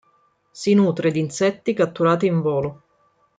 Si nutre di insetti catturati in volo.